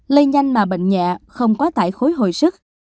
lây nhanh mà bệnh nhẹ không quá tải khối hồi sức